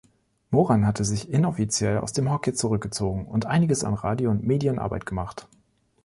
Moran hat sich inoffiziell aus dem Hockey zurückgezogen und einiges an Radio- und Medienarbeit gemacht.